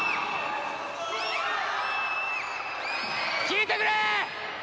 聞いてくれ！